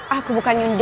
aku bukan yundam